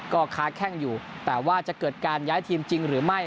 ก็ค้าแข้งอยู่แต่ว่าจะเกิดการย้ายทีมจริงหรือไม่